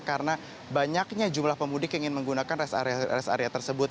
karena banyaknya jumlah pemudik yang ingin menggunakan res area res area tersebut